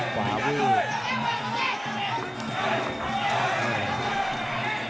ขวาวื้อ